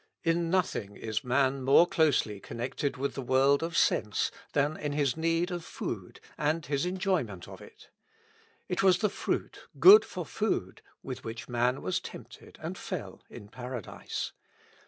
In nothing is man more closely connected with the world of sense than in his need of food, and his enjoyment gf it. It was the fruit, good for food, with which man was tempted and fell in Paradise.